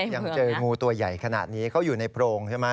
ยังเจองูตัวใหญ่ขนาดนี้เขาอยู่ในโพรงใช่ไหม